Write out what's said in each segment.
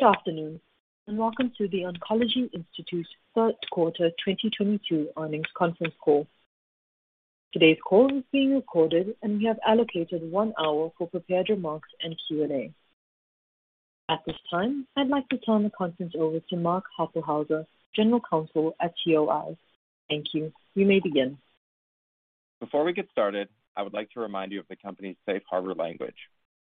Good afternoon, and welcome to The Oncology Institute's third quarter 2022 earnings conference call. Today's call is being recorded, and we have allocated one hour for prepared remarks and Q&A. At this time, I'd like to turn the conference over to Mark Hueppelsheuser, General Counsel at TOI. Thank you. You may begin. Before we get started, I would like to remind you of the company's safe harbor language.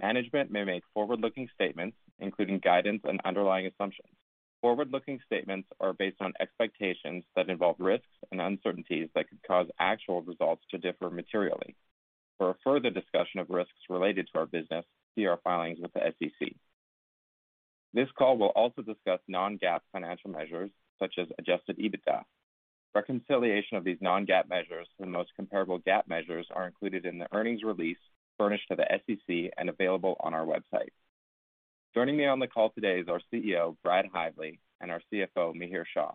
Management may make forward-looking statements, including guidance and underlying assumptions. Forward-looking statements are based on expectations that involve risks and uncertainties that could cause actual results to differ materially. For a further discussion of risks related to our business, see our filings with the SEC. This call will also discuss non-GAAP financial measures such as adjusted EBITDA. Reconciliation of these non-GAAP measures to the most comparable GAAP measures are included in the earnings release furnished to the SEC and available on our website. Joining me on the call today is our CEO, Brad Hively, and our CFO, Mihir Shah.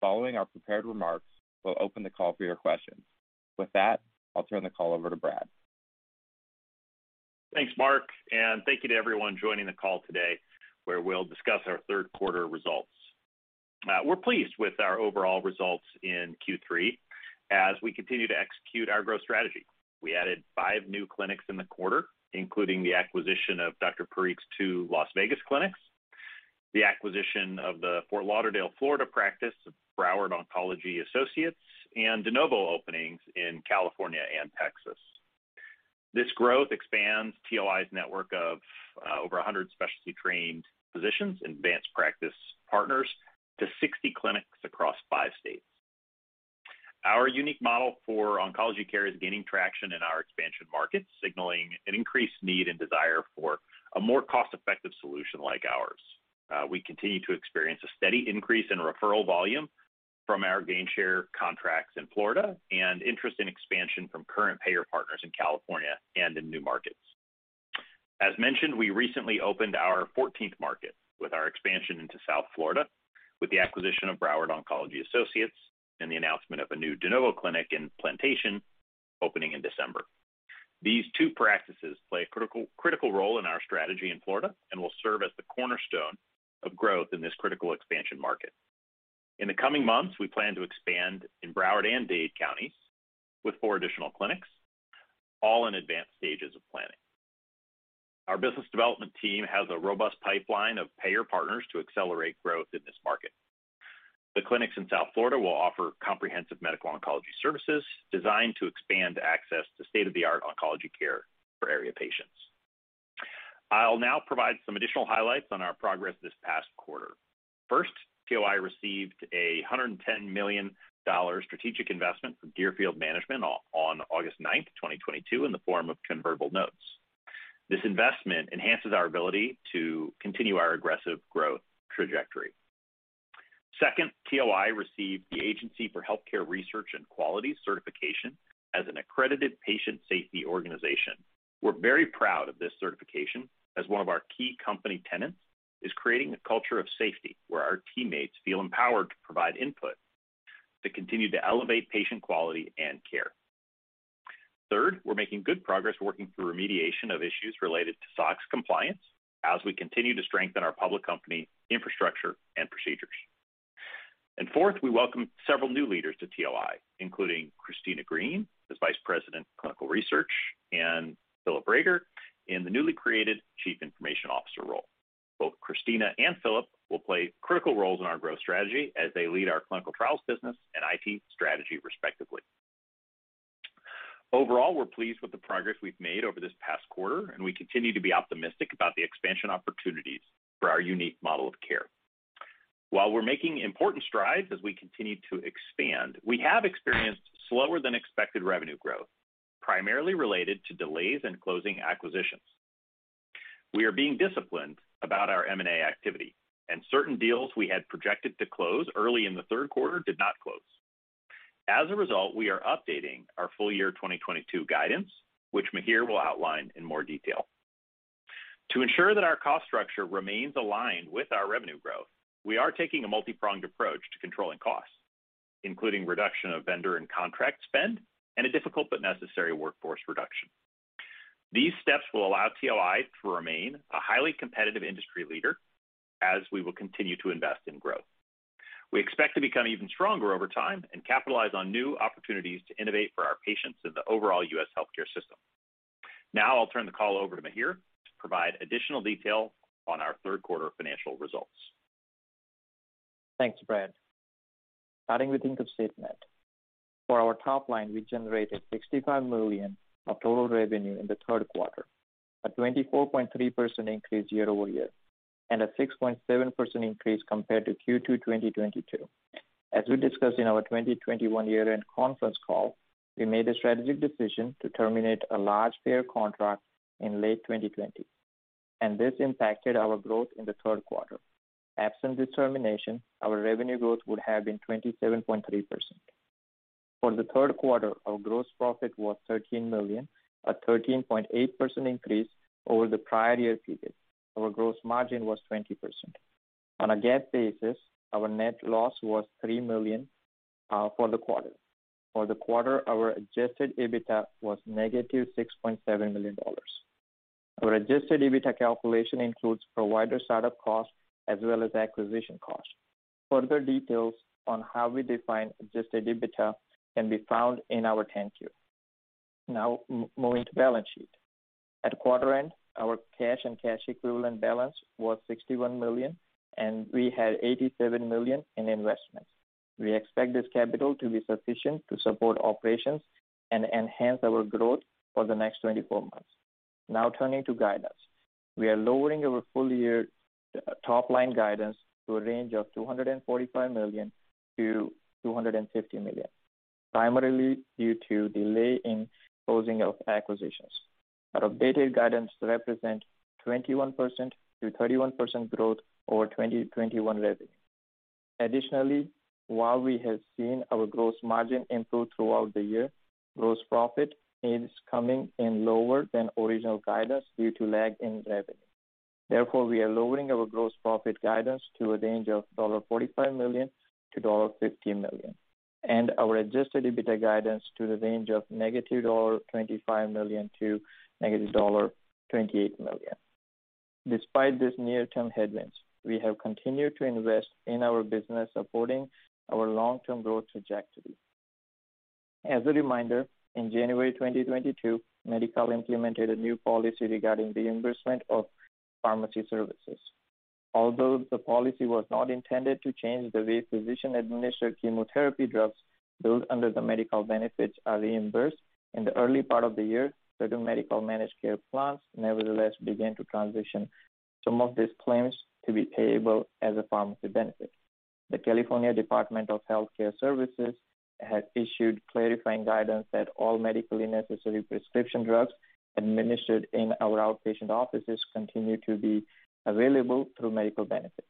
Following our prepared remarks, we'll open the call for your questions. With that, I'll turn the call over to Brad. Thanks, Mark, and thank you to everyone joining the call today, where we'll discuss our third quarter results. We're pleased with our overall results in Q3 as we continue to execute our growth strategy. We added five new clinics in the quarter, including the acquisition of Dr. Parikh's two Las Vegas clinics, the acquisition of the Fort Lauderdale, Florida practice of Broward Oncology Associates, and de novo openings in California and Texas. This growth expands TOI's network of over 100 specialty trained physicians and advanced practice partners to 60 clinics across five states. Our unique model for oncology care is gaining traction in our expansion markets, signaling an increased need and desire for a more cost-effective solution like ours. We continue to experience a steady increase in referral volume from our gain share contracts in Florida and interest in expansion from current payer partners in California and in new markets. As mentioned, we recently opened our fourteenth market with our expansion into South Florida with the acquisition of Broward Oncology Associates and the announcement of a new de novo clinic in Plantation opening in December. These two practices play a critical role in our strategy in Florida and will serve as the cornerstone of growth in this critical expansion market. In the coming months, we plan to expand in Broward and Dade Counties with four additional clinics, all in advanced stages of planning. Our business development team has a robust pipeline of payer partners to accelerate growth in this market. The clinics in South Florida will offer comprehensive medical oncology services designed to expand access to state-of-the-art oncology care for area patients. I'll now provide some additional highlights on our progress this past quarter. First, TOI received $110 million strategic investment from Deerfield Management on August 9th, 2022, in the form of convertible notes. This investment enhances our ability to continue our aggressive growth trajectory. Second, TOI received the Agency for Healthcare Research and Quality certification as an accredited patient safety organization. We're very proud of this certification, as one of our key company tenets is creating a culture of safety where our teammates feel empowered to provide input to continue to elevate patient quality and care. Third, we're making good progress working through remediation of issues related to SOX compliance as we continue to strengthen our public company infrastructure and procedures. Fourth, we welcome several new leaders to TOI, including Cristina Green as Vice President of Clinical Research and Phil Reger in the newly created Chief Information Officer role. Both Cristina and Phil will play critical roles in our growth strategy as they lead our Clinical Trials business and IT strategy, respectively. Overall, we're pleased with the progress we've made over this past quarter, and we continue to be optimistic about the expansion opportunities for our unique model of care. While we're making important strides as we continue to expand, we have experienced slower than expected revenue growth, primarily related to delays in closing acquisitions. We are being disciplined about our M&A activity, and certain deals we had projected to close early in the third quarter did not close. As a result, we are updating our full year 2022 guidance, which Mihir will outline in more detail. To ensure that our cost structure remains aligned with our revenue growth, we are taking a multi-pronged approach to controlling costs, including reduction of vendor and contract spend, and a difficult but necessary workforce reduction. These steps will allow TOI to remain a highly competitive industry leader as we will continue to invest in growth. We expect to become even stronger over time and capitalize on new opportunities to innovate for our patients in the overall U.S. healthcare system. Now, I'll turn the call over to Mihir to provide additional detail on our third quarter financial results. Thanks, Brad. Starting with income statement. For our top line, we generated $65 million of total revenue in the third quarter, a 24.3% increase year-over-year, and a 6.7% increase compared to Q2 2022. As we discussed in our 2021 year-end conference call, we made a strategic decision to terminate a large payer contract in late 2020, and this impacted our growth in the third quarter. Absent this termination, our revenue growth would have been 27.3%. For the third quarter, our gross profit was $13 million, a 13.8% increase over the prior year period. Our gross margin was 20%. On a GAAP basis, our net loss was $3 million for the quarter. For the quarter, our adjusted EBITDA was -$6.7 million. Our adjusted EBITDA calculation includes provider startup costs as well as acquisition costs. Further details on how we define adjusted EBITDA can be found in our 10-Q. Now moving to balance sheet. At quarter end, our cash and cash equivalent balance was $61 million, and we had $87 million in investments. We expect this capital to be sufficient to support operations and enhance our growth for the next 24 months. Now turning to guidance. We are lowering our full year top-line guidance to a range of $245 million-$250 million, primarily due to delay in closing of acquisitions. Our updated guidance represent 21%-31% growth over 2021 revenue. Additionally, while we have seen our gross margin improve throughout the year, gross profit is coming in lower than original guidance due to lag in revenue. Therefore, we are lowering our gross profit guidance to a range of $45 million-$50 million, and our adjusted EBITDA guidance to the range of -$25 million to -$28 million. Despite these near-term headwinds, we have continued to invest in our business, supporting our long-term growth trajectory. As a reminder, in January 2022, Medi-Cal implemented a new policy regarding reimbursement of pharmacy services. Although the policy was not intended to change the way physician-administered chemotherapy drugs billed under the Medi-Cal benefits are reimbursed, in the early part of the year, certain Medi-Cal managed care plans nevertheless began to transition some of these claims to be payable as a pharmacy benefit. The California Department of Health Care Services has issued clarifying guidance that all medically necessary prescription drugs administered in our outpatient offices continue to be available through Medi-Cal benefit.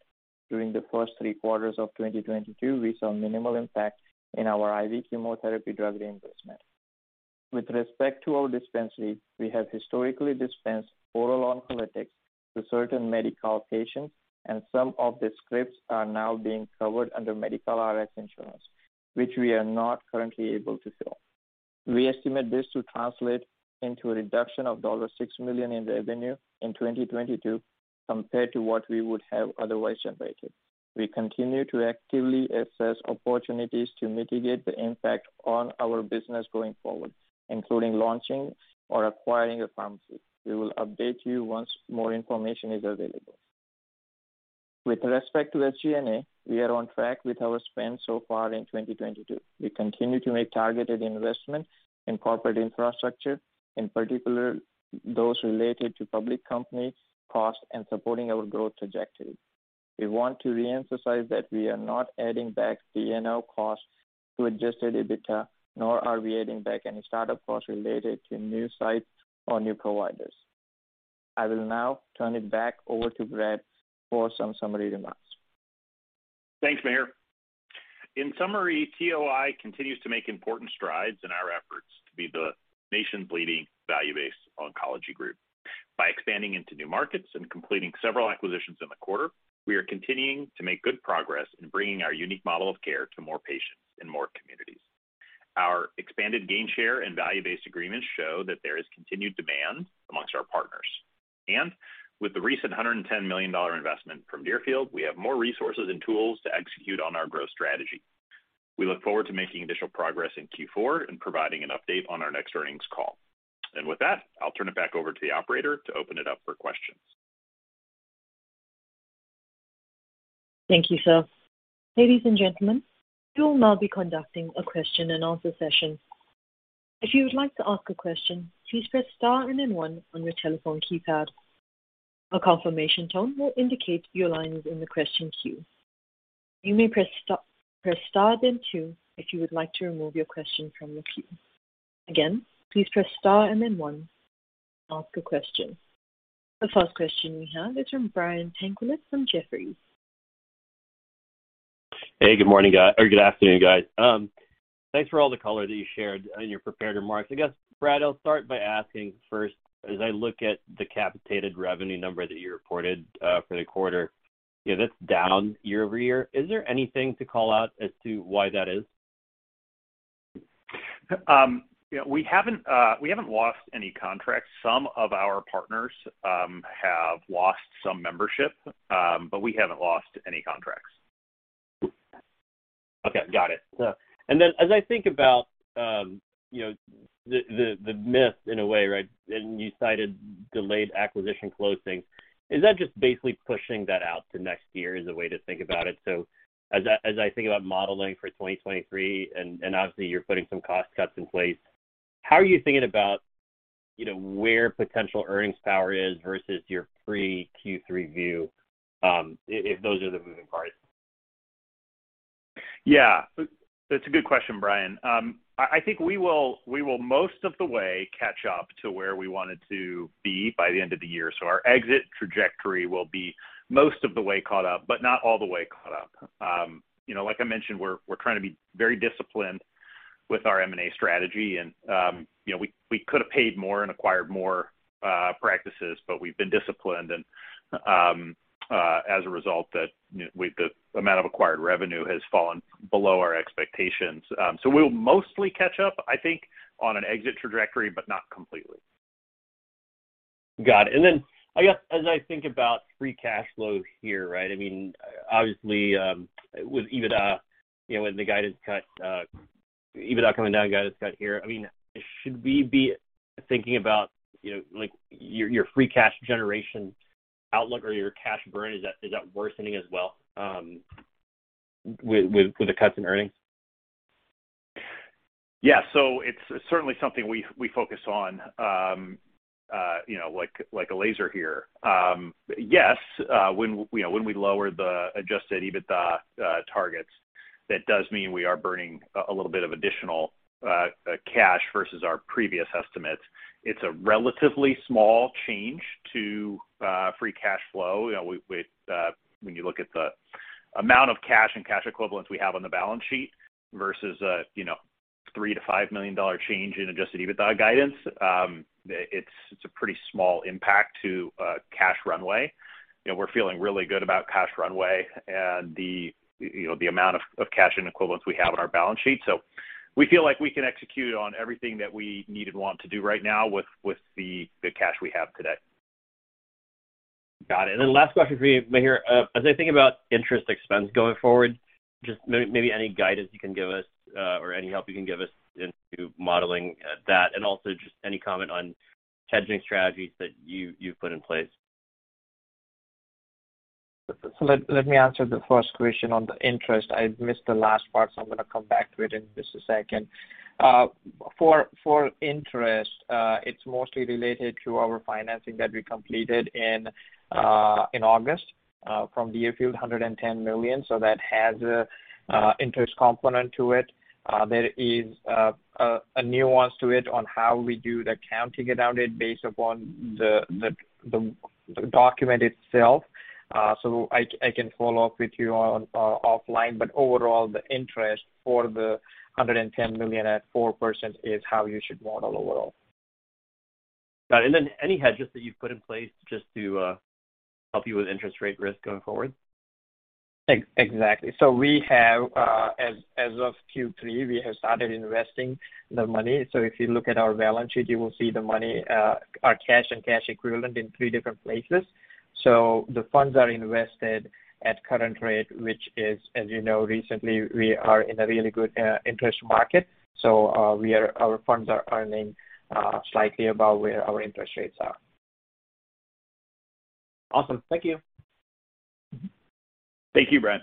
During the first three quarters of 2022, we saw minimal impact in our IV chemotherapy drug reimbursement. With respect to our Dispensary, we have historically dispensed oral oncolytics to certain Medi-Cal patients, and some of the scripts are now being covered under Medi-Cal Rx insurance, which we are not currently able to fill. We estimate this to translate into a reduction of $6 million in revenue in 2022 compared to what we would have otherwise generated. We continue to actively assess opportunities to mitigate the impact on our business going forward, including launching or acquiring a pharmacy. We will update you once more information is available. With respect to SG&A, we are on track with our spend so far in 2022. We continue to make targeted investment in corporate infrastructure, in particular those related to public companies, costs, and supporting our growth trajectory. We want to reemphasize that we are not adding back de novo costs to adjusted EBITDA, nor are we adding back any startup costs related to new sites or new providers. I will now turn it back over to Brad for some summary remarks. Thanks, Mihir. In summary, TOI continues to make important strides in our efforts to be the nation's leading value-based oncology group. By expanding into new markets and completing several acquisitions in the quarter, we are continuing to make good progress in bringing our unique model of care to more patients in more communities. Our expanded gain share and value-based agreements show that there is continued demand amongst our partners. With the recent $110 million investment from Deerfield, we have more resources and tools to execute on our growth strategy. We look forward to making additional progress in Q4 and providing an update on our next earnings call. With that, I'll turn it back over to the operator to open it up for questions. Thank you, sir. Ladies and gentlemen, we will now be conducting a question and answer session. If you would like to ask a question, please press star and then one on your telephone keypad. A confirmation tone will indicate your line is in the question queue. You may press star then two if you would like to remove your question from the queue. Again, please press star and then one to ask a question. The first question we have is from Brian Tanquilut from Jefferies. Hey, good morning or good afternoon, guys. Thanks for all the color that you shared in your prepared remarks. I guess, Brad, I'll start by asking first, as I look at the capitated revenue number that you reported for the quarter, you know, that's down year-over-year. Is there anything to call out as to why that is? You know, we haven't lost any contracts. Some of our partners have lost some membership, but we haven't lost any contracts. Okay, got it. As I think about, you know, the miss in a way, right? You cited delayed acquisition closing. Is that just basically pushing that out to next year is the way to think about it? As I think about modeling for 2023, and obviously you're putting some cost cuts in place, how are you thinking about, you know, where potential earnings power is versus your pre-Q3 view, if those are the moving parts? Yeah. That's a good question, Brian. I think we will most of the way catch-up to where we wanted to be by the end of the year. Our exit trajectory will be most of the way caught up, but not all the way caught up. You know, like I mentioned, we're trying to be very disciplined with our M&A strategy and, you know, we could have paid more and acquired more practices, but we've been disciplined. As a result of that, you know, the amount of acquired revenue has fallen below our expectations. We'll mostly catch-up, I think, on an exit trajectory, but not completely. Got it. I guess as I think about free cash flow here, right? I mean, obviously, with EBITDA, you know, with the guided cut, EBITDA coming down, guided cut here, I mean, should we be thinking about, you know, like your free cash generation outlook or your cash burn? Is that worsening as well, with the cuts in earnings? Yeah. It's certainly something we focus on, you know, like a laser here. Yes, when we lower the adjusted EBITDA targets, that does mean we are burning a little bit of additional cash versus our previous estimates. It's a relatively small change to free cash flow, you know, with when you look at the amount of cash and cash equivalents we have on the balance sheet versus, you know, $3 million-$5 million change in adjusted EBITDA guidance. It's a pretty small impact to cash runway. You know, we're feeling really good about cash runway and the, you know, the amount of cash and equivalents we have on our balance sheet. We feel like we can execute on everything that we need and want to do right now with the cash we have today. Got it. Last question for you, Mihir. As I think about interest expense going forward, just maybe any guidance you can give us, or any help you can give us into modeling that, and also just any comment on hedging strategies that you've put in place. Let me answer the first question on the interest. I missed the last part, so I'm gonna come back to it in just a second. For interest, it's mostly related to our financing that we completed in August from Deerfield $110 million. That has a interest component to it. There is a nuance to it on how we do the accounting around it based upon the document itself. I can follow-up with you offline. Overall, the interest for the $110 million at 4% is how you should model overall. Got it. Any hedges that you've put in place just to help you with interest rate risk going forward? Exactly. We have, as of Q3, we have started investing the money. If you look at our balance sheet, you will see the money, our cash and cash equivalents in three different places. The funds are invested at current rates, which is, as you know, recently, we are in a really good interest market. Our funds are earning slightly above where our interest rates are. Awesome. Thank you. Thank you, Brad.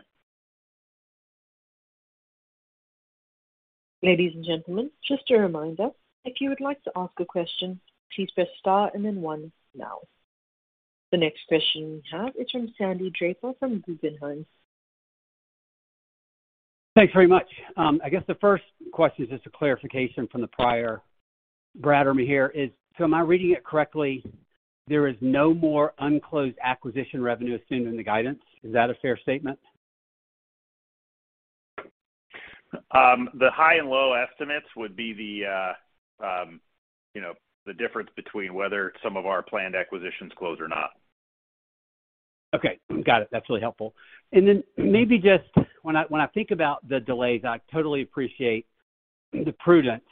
Ladies and gentlemen, just a reminder, if you would like to ask a question, please press star, then one now. The next question we have is from Sandy Draper from Guggenheim. Thanks very much. I guess the first question is just a clarification from the prior Brad or Mihir is, so am I reading it correctly, there is no more unclosed acquisition revenue assumed in the guidance? Is that a fair statement? The high and low estimates would be the, you know, the difference between whether some of our planned acquisitions close or not. Okay. Got it. That's really helpful. Maybe just when I think about the delays, I totally appreciate the prudence.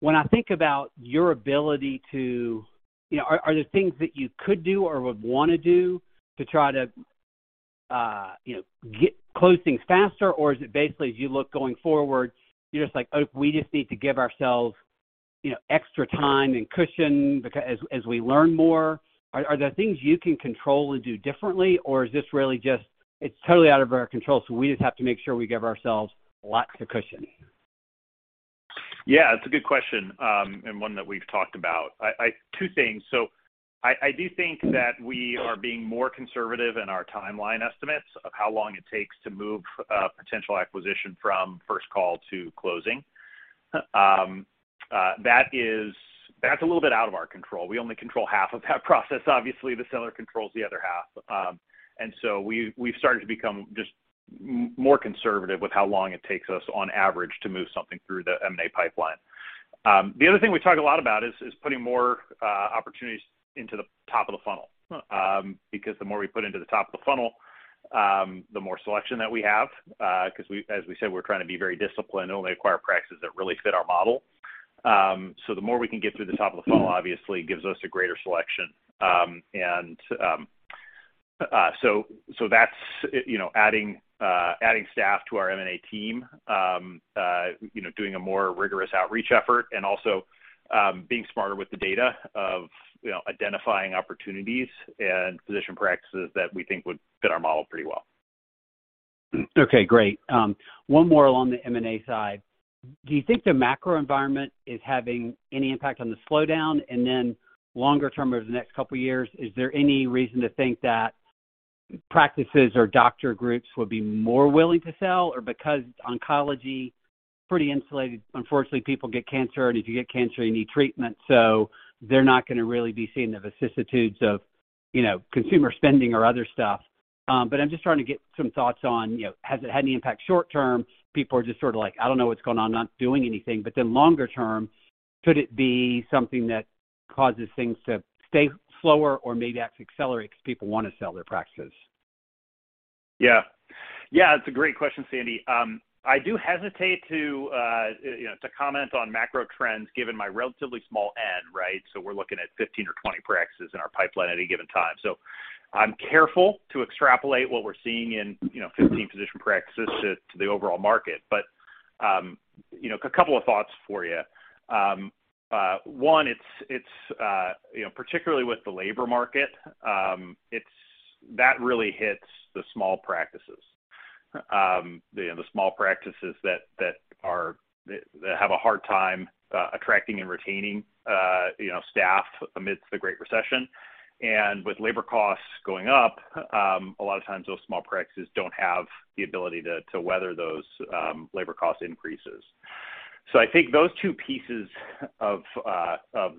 When I think about your ability to, you know. Are there things that you could do or would wanna do to try to, you know, get close things faster? Or is it basically, as you look going forward, you're just like, "Oh, we just need to give ourselves, you know, extra time and cushion as we learn more." Are there things you can control and do differently, or is this really just it's totally out of our control, so we just have to make sure we give ourselves lots of cushion? Yeah, it's a good question, and one that we've talked about. Two things. I do think that we are being more conservative in our timeline estimates of how long it takes to move potential acquisition from first call to closing. That is. That's a little bit out of our control. We only control half of that process, obviously. The seller controls the other half. We've started to become just more conservative with how long it takes us on average to move something through the M&A pipeline. The other thing we talk a lot about is putting more opportunities into the top of the funnel. Because the more we put into the top of the funnel, the more selection that we have, 'cause as we said, we're trying to be very disciplined and only acquire practices that really fit our model. The more we can get through the top of the funnel obviously gives us a greater selection. That's, you know, adding staff to our M&A team, you know, doing a more rigorous outreach effort and also being smarter with the data of, you know, identifying opportunities and physician practices that we think would fit our model pretty well. Okay, great. One more along the M&A side. Do you think the macro environment is having any impact on the slowdown? Longer-term, over the next couple of years, is there any reason to think that practices or doctor groups will be more willing to sell? Or because oncology, pretty insulated, unfortunately, people get cancer, and if you get cancer, you need treatment, so they're not gonna really be seeing the vicissitudes of you know, consumer spending or other stuff. I'm just trying to get some thoughts on, you know, has it had any impact short-term? People are just sort of like, "I don't know what's going on, not doing anything." Longer-term, could it be something that causes things to stay slower or maybe actually accelerate because people wanna sell their practices? Yeah. Yeah, it's a great question, Sandy. I do hesitate to, you know, to comment on macro trends given my relatively small N, right? We're looking at 15 or 20 practices in our pipeline at any given time. I'm careful to extrapolate what we're seeing in, you know, 15 physician practices to the overall market. You know, a couple of thoughts for you. One, it's you know, particularly with the labor market, that really hits the small practices. The small practices that have a hard time attracting and retaining, you know, staff amidst The Great Recession. With labor costs going up, a lot of times those small practices don't have the ability to weather those labor cost increases. I think those two pieces of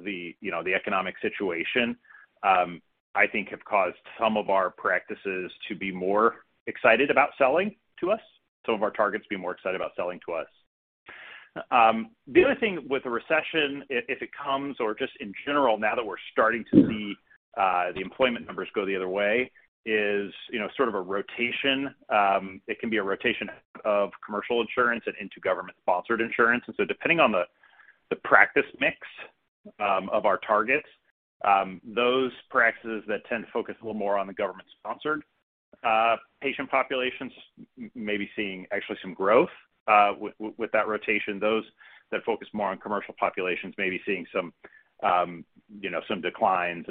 the economic situation have caused some of our practices to be more excited about selling to us, some of our targets be more excited about selling to us. The other thing with the recession if it comes or just in general, now that we're starting to see the employment numbers go the other way, is you know, sort of a rotation. It can be a rotation of commercial insurance and into government-sponsored insurance. Depending on the practice mix of our targets, those practices that tend to focus a little more on the government-sponsored patient populations may be seeing actually some growth with that rotation. Those that focus more on commercial populations may be seeing some you know, some declines.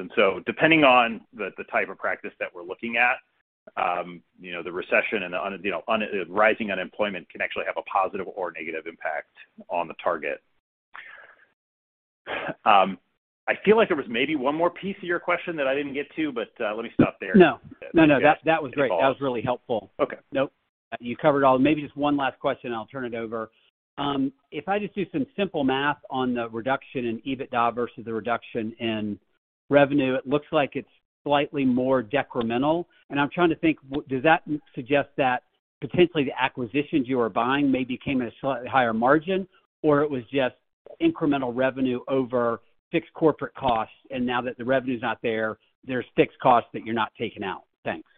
Depending on the type of practice that we're looking at, you know, the recession and the rising unemployment can actually have a positive or negative impact on the target. I feel like there was maybe one more piece of your question that I didn't get to, but let me stop there. No, that was great. If-if- That was really helpful. Okay. Nope. You covered all. Maybe just one last question, I'll turn it over. If I just do some simple math on the reduction in EBITDA versus the reduction in revenue, it looks like it's slightly more decremental. I'm trying to think, does that suggest that potentially the acquisitions you are buying maybe came at a slightly higher margin, or it was just incremental revenue over fixed corporate costs, and now that the revenue's not there's fixed costs that you're not taking out? Thanks.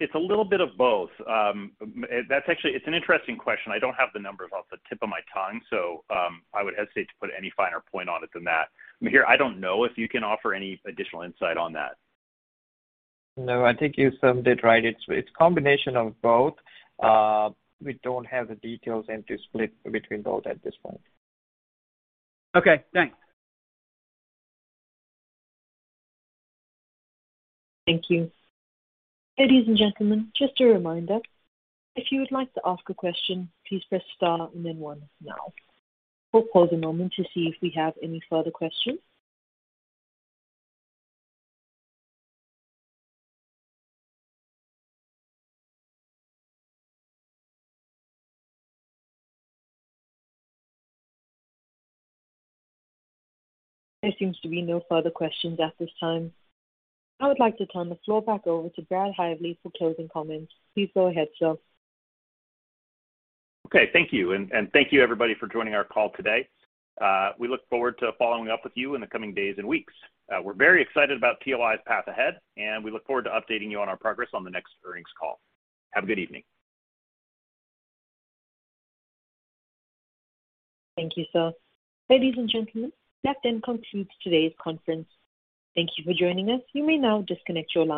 It's a little bit of both. That's actually an interesting question. I don't have the numbers off the tip of my tongue, so I would hesitate to put any finer point on it than that. Mihir, I don't know if you can offer any additional insight on that. No, I think you summed it right. It's combination of both. We don't have the details and to split between both at this point. Okay, thanks. Thank you. Ladies and gentlemen, just a reminder, if you would like to ask a question, please press star and then one now. We'll pause a moment to see if we have any further questions. There seems to be no further questions at this time. I would like to turn the floor back over to Brad Hively for closing comments. Please go ahead, sir. Okay, thank you. Thank you, everybody, for joining our call today. We look forward to following up with you in the coming days and weeks. We're very excited about TOI's path ahead, and we look forward to updating you on our progress on the next earnings call. Have a good evening. Thank you, sir. Ladies and gentlemen, that then concludes today's conference. Thank you for joining us. You may now disconnect your lines.